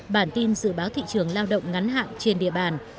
bản tin dự báo thị trường lao động ngắn hạn trên địa bàn